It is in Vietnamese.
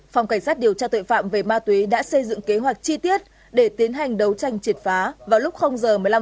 phòng cảnh sát điều tra tội phạm về ma túy đã xây dựng kế hoạch chi tiết để tiến hành đấu tranh triệt phá vào lúc h một mươi năm phút ngày một mươi năm tháng ba